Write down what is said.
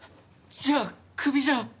じゃあクビじゃ？